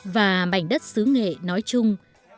và mảnh đất xứ nghệ nói chung